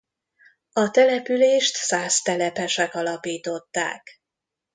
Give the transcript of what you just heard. A települést szász telepesek alapították.